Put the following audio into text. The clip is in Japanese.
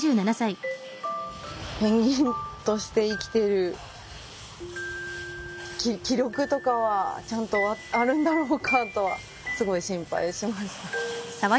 ペンギンとして生きている気力とかはちゃんとあるんだろうかとすごい心配しました